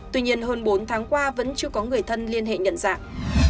tuy nhiên hơn bốn tháng qua vẫn chưa có người thân liên hệ nhận dạng